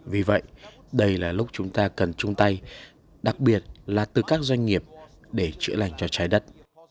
vì vậy đây là lúc chúng ta cần chung tay đặc biệt là từ các doanh nghiệp để chữa lành cho trái đất